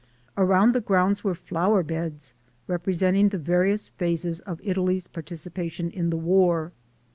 Around the grounds were flower beds representing the various phases of Italy's participation in the war.